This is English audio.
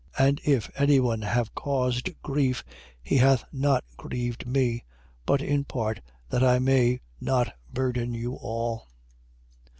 2:5. And if any one have caused grief, he hath not grieved me: but in part, that I may not burden you all.